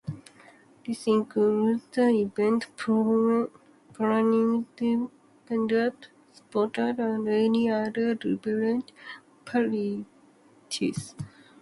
This includes the event planning team, vendors, sponsors, and any other relevant parties.